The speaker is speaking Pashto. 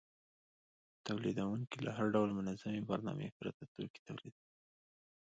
تولیدونکي له هر ډول منظمې برنامې پرته توکي تولیدوي